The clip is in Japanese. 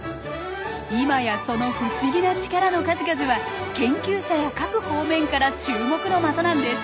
今やその不思議な力の数々は研究者や各方面から注目の的なんです。